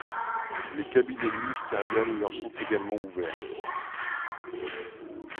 Les cabinets ministériels leur sont également ouverts.